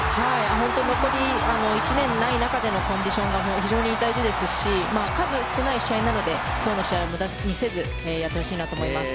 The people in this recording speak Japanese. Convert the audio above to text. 本当に残り１年ない中でのコンディションが非常に大事ですし数少ない試合なので今日の試合を無駄にせずやってほしいなと思います。